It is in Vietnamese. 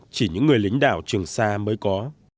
chỉ những người lính đảo trường sa mới có